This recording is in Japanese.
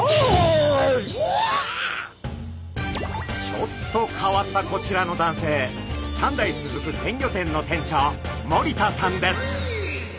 ちょっと変わったこちらの男性３代続く鮮魚店の店長森田さんです。